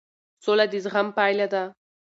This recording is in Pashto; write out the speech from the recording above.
سوله د زغم پایله ده